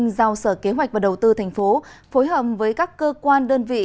giao sở kế hoạch và đầu tư thành phố phối hợp với các cơ quan đơn vị